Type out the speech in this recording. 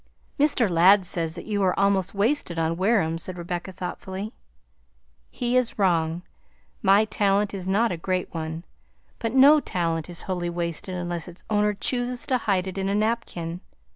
"Mr. Ladd says that you are almost wasted on Wareham," said Rebecca thoughtfully. "He is wrong; my talent is not a great one, but no talent is wholly wasted unless its owner chooses to hide it in a napkin.